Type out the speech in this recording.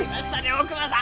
大窪さん！